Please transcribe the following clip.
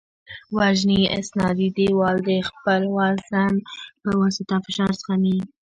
وزني استنادي دیوال د خپل وزن په واسطه فشار زغمي